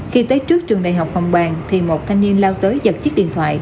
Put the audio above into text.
khi tới trước trường đại học hồng bàng thì một thanh niên lao tới giật chiếc điện thoại